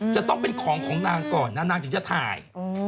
จะต้องเป็นของของนางก่อนนะนางถึงจะถ่าย